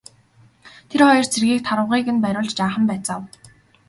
Тэр хоёр цэргийг тарвагыг нь бариулж жаахан байцаав.